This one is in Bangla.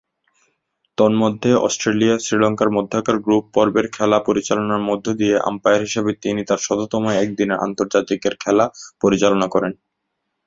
তন্মধ্যে অস্ট্রেলিয়া-শ্রীলঙ্কার মধ্যকার গ্রুপ পর্বের খেলা পরিচালনার মধ্য দিয়ে আম্পায়ার হিসেবে তিনি তার শততম একদিনের আন্তর্জাতিকের খেলা পরিচালনা করেন।